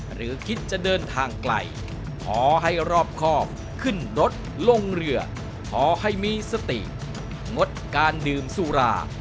หรือคิดจะเดินทางไกลขอให้รอบครอบขึ้นรถลงเรือขอให้มีสติงดการดื่มสุรา